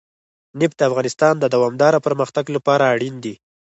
نفت د افغانستان د دوامداره پرمختګ لپاره اړین دي.